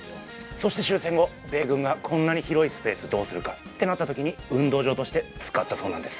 そして終戦後米軍がこんなに広いスペースどうするかってなった時に運動場として使ったそうなんです